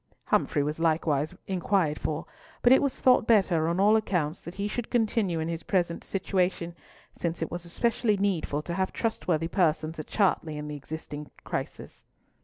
Humfrey was likewise inquired for, but it was thought better on all accounts that he should continue in his present situation, since it was especially needful to have trustworthy persons at Chartley in the existing crisis.